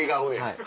はい。